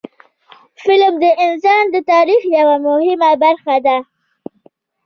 فلم د انسان د تاریخ یوه مهمه برخه ده